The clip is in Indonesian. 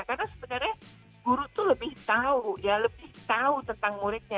karena sebenarnya guru itu lebih tahu ya lebih tahu tentang muridnya